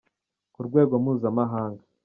ku rwego mpuzamahanga.